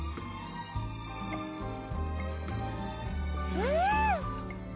うん！